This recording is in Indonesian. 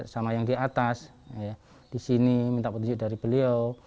sama yang di atas di sini minta petunjuk dari beliau